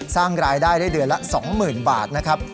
สร้างรายได้ได้เดือนละ๒๐๐๐บาทนะครับ